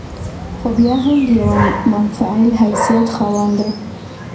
خو بيا هم د يوه منفعل حيثيت خاونده